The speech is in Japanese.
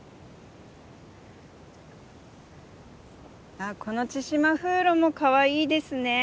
あっこのチシマフウロもかわいいですね。